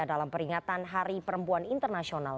dalam peringatan hari perempuan internasional